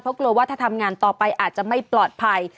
เพราะกลัวว่าถ้าทำงานต่อไปอาจจะไม่ปลอดภัย